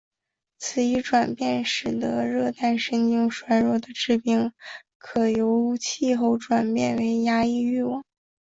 此一转变使得热带神经衰弱的致病因由气候转变为压抑欲望。